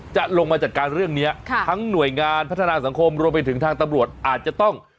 จะลงมาจัดการเรื่องนี้ทั้งหน่วยงานพัฒนาสังคมรวมไปถึงทางตำรวจอาจจะต้อง